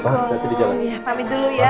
pamit dulu ya